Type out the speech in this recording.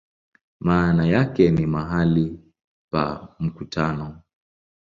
Maana yake ni "mahali pa mkutano".